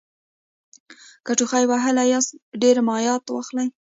که ټوخي وهلي یاست ډېر مایعت واخلئ